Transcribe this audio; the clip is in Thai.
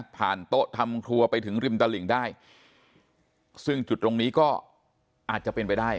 โต๊ะทำครัวไปถึงริมตลิ่งได้ซึ่งจุดตรงนี้ก็อาจจะเป็นไปได้